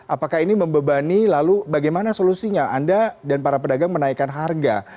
apakah ini membebani lalu bagaimana solusinya anda dan para pedagang menaikkan harga